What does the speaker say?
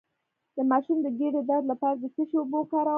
د ماشوم د ګیډې درد لپاره د څه شي اوبه وکاروم؟